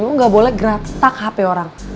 lo gak boleh geratak hp orang